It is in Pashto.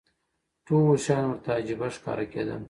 ټول شیان ورته عجیبه ښکاره کېدل.